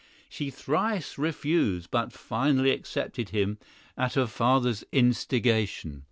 She thrice refused, but finally accepted him at her father's instigation.